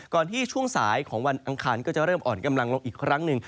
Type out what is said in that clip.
ที่ช่วงสายของวันอังคารก็จะเริ่มอ่อนกำลังลงอีกครั้งหนึ่ง